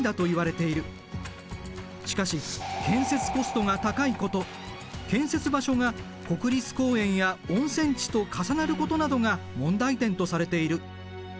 しかし建設コストが高いこと建設場所が国立公園や温泉地と重なることなどが問題点とされている。